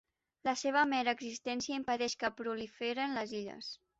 La seva mera existència impedeix que proliferen les illes.